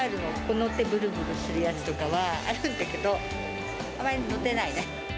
乗ってぶるぶるするやつとかはあるんだけど、あまり乗ってないね。